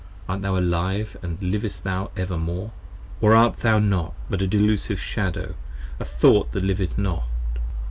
Art thou alive: & livest thou for evermore? or art thou 55 Not: but a delusive shadow, a thought that liveth not.